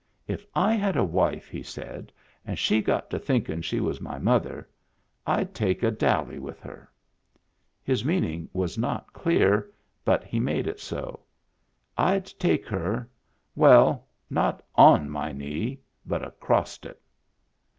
" If I had a wife," he said, " and she got to thinkin' she was my mother, I'd take a dally with her." His meaning was not clear; but he made it so: " I'd take her — well, not on my knee, but acrost it."